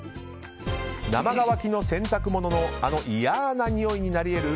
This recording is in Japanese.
生乾きの洗濯物の嫌なにおいになり得る